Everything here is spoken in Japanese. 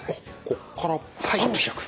ここからパッと開く。